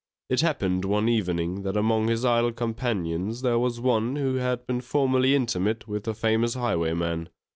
It happened one evening, that among his idle companions there was one who had been formerly intimate with a famous highwayman.